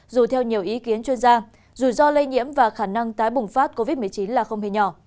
dù theo nhiều ý kiến chuyên gia rủi ro lây nhiễm và khả năng tái bùng phát covid một mươi chín là không hề nhỏ